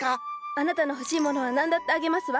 あなたの欲しいものは何だってあげますわ。